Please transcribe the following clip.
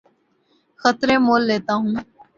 خطرے مول لیتا ہوں